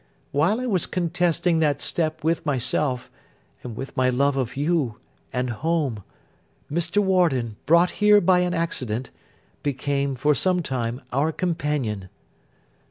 While I was contesting that step with myself, and with my love of you, and home, Mr. Warden, brought here by an accident, became, for some time, our companion.